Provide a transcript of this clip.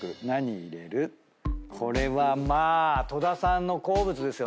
これはまあ戸田さんの好物ですよね。